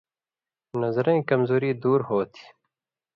نظرَیں کمزُوری دُور ہوتھی۔